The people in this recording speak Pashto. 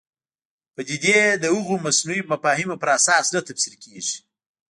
پدیدې د هغو مصنوعي مفاهیمو پر اساس نه تفسیر کېږي.